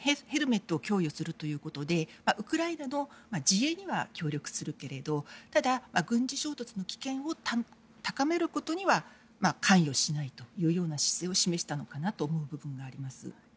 ヘルメットを供与することでウクライナの自衛には協力するけれどただ、軍事衝突の危険を高めることには関与しないという姿勢を示したのかなと思います。